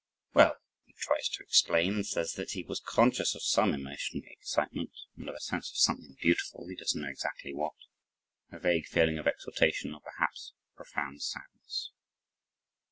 Well he tries to explain and says that he was conscious of some emotional excitement and of a sense of something beautiful, he doesn't know exactly what a vague feeling of exaltation or perhaps of profound sadness.